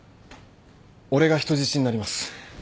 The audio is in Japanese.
俺が人質になります。